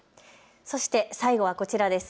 そして最後はこちらです。